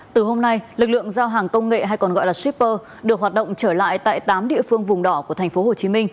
từ hôm nay lực lượng giao hàng công nghệ hay còn gọi là shipper được hoạt động trở lại tại tám địa phương vùng đỏ của tp hcm